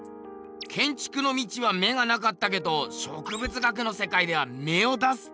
けんちくの道は目がなかったけど植物学の世界では芽を出すってことか？